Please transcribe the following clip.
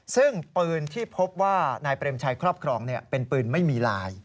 ซึ่งปืนที่พบว่านายเปรมชัยครอบครองเป็นปืนไม่มีลาย